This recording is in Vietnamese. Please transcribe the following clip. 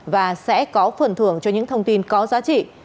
và sẽ có phần thưởng cho những thông tin có giá trị